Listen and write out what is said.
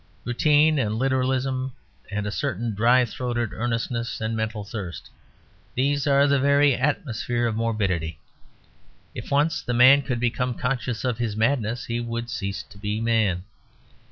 Routine and literalism and a certain dry throated earnestness and mental thirst, these are the very atmosphere of morbidity. If once the man could become conscious of his madness, he would cease to be man.